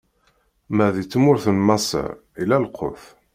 Ma di tmurt n Maṣer, illa lqut.